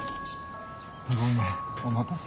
ごめんお待たせ。